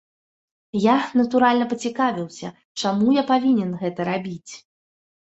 Я, натуральна, пацікавіўся, чаму я павінен гэта рабіць.